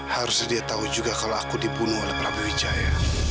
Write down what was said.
harusnya dia tahu juga kalau aku dibunuh oleh prabwijaya